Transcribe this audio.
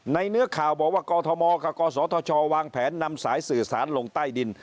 เนื้อข่าวบอกว่ากอทมกับกศธชวางแผนนำสายสื่อสารลงใต้ดิน